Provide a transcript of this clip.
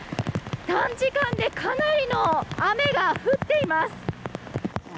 短時間でかなりの雨が降っています。